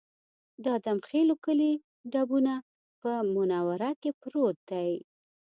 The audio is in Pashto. د ادم خېلو کلی ډبونه په منوره کې پروت دی